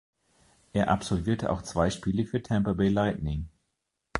Er absolvierte auch zwei Spiele für Tampa Bay Lightning.